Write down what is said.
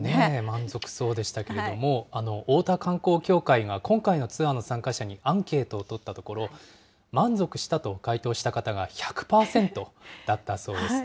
満足そうでしたけれども、大田観光協会が今回のツアーの参加者にアンケートを取ったところ、満足したと回答した方が１００％だったそうです。